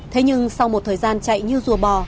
thế nhưng sau một thời gian chạy như rùa bò